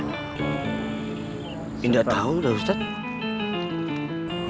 nggak tau dah ustadz